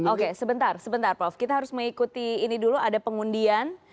oke sebentar kita harus mengikuti ini dulu ada pengundian